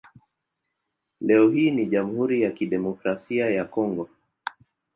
Leo hii ni Jamhuri ya Kidemokrasia ya Kongo.